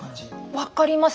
分かります。